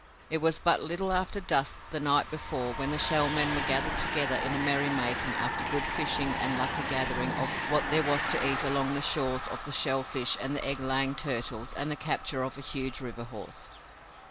It was but little after dusk the night before when the Shell Men were gathered together in merrymaking after good fishing and lucky gathering of what there was to eat along the shores of the shell fish and the egg laying turtles and the capture of a huge river horse.